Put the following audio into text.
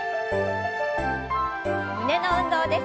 胸の運動です。